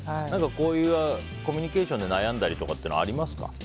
こういうコミュニケーションで悩んだりっていうことはありますか？